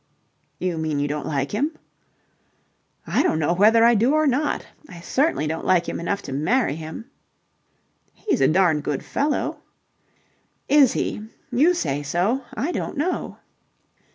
"You mean you don't like him?" "I don't know whether I do or not. I certainly don't like him enough to marry him." "He's a darned good fellow." "Is he? You say so. I don't know."